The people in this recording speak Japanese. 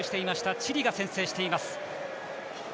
チリが先制しています。